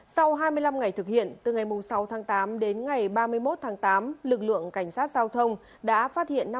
sau hai mươi năm ngày thực hiện từ ngày sáu tháng tám đến ngày ba mươi một tháng tám lực lượng cảnh sát giao thông đã phát hiện